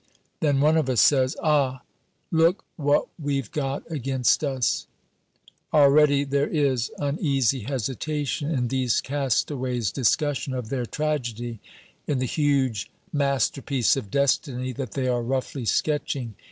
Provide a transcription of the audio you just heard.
Then one of us says, "Ah, look what we've got against us!" Already there is uneasy hesitation in these castaways' discussion of their tragedy, in the huge masterpiece of destiny that they are roughly sketching.